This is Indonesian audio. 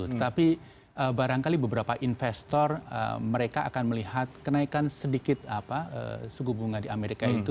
tetapi barangkali beberapa investor mereka akan melihat kenaikan sedikit suku bunga di amerika itu